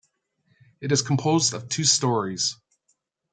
It is composed of two storeys.